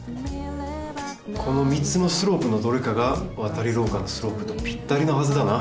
この３つのスロープのどれかがわたりろうかのスロープとぴったりなはずだな。